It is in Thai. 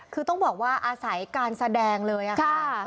คือต้องบอกว่าอาศัยการแสดงเลยค่ะ